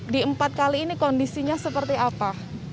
di empat kali ini kondisinya seperti apa